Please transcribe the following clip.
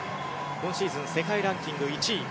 今シーズン世界ランキング１位。